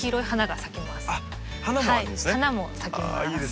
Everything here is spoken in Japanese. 花も咲きます。